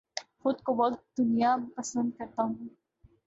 خود کو وقت دنیا پسند کرتا ہوں